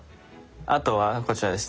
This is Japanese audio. あとはこちらですね